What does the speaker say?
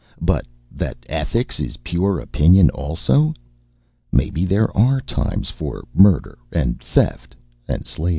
But that ethics is pure opinion also...? Maybe there are times for murder, and theft and slavery....